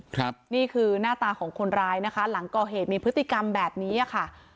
ครับนี่คือหน้าตาของคนร้ายนะคะหลังก่อเหตุมีพฤติกรรมแบบนี้อ่ะค่ะ